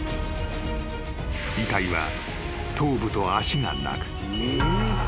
［遺体は頭部と足がなく］